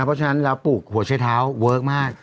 เพราะฉะนั้นเราปลูกหัวใช้เท้าเวิร์คมาก